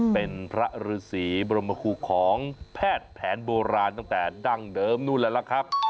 เป็นพระฤษีบรมคูของแพทย์แผนโบราณตั้งแต่ดั้งเดิมนู่นแล้วล่ะครับ